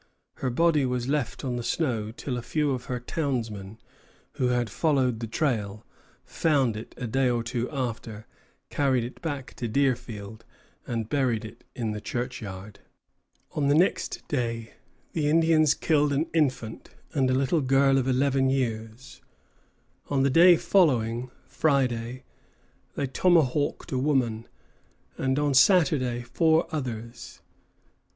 Her body was left on the snow till a few of her townsmen, who had followed the trail, found it a day or two after, carried it back to Deerfield, and buried it in the churchyard. [Illustration: The Return from Deerfield. Drawn by Howard Pyle.] On the next day the Indians killed an infant and a little girl of eleven years; on the day following, Friday, they tomahawked a woman, and on Saturday four others.